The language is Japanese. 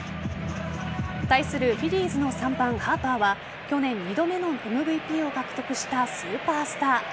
対するフィリーズの３番・ハーパーは去年、２度目のＭＶＰを獲得したスーパースター。